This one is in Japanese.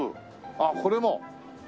あっこれも？